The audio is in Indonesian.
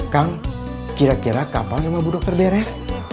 kang kira kira kapalnya mau bu dokter beres